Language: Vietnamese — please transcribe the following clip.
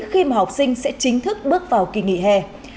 khi mà học sinh sẽ chính thức bước vào kỳ nghỉ hè